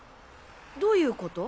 どういうこと？